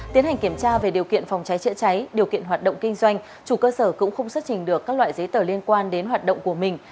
tiến hành kiểm tra về điều kiện phòng cháy chữa cháy điều kiện hoạt động kinh doanh chủ cơ sở cũng không xuất trình được các loại giấy tờ liên quan đến hoạt động của mình